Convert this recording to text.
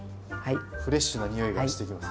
フレッシュなにおいがしてきます。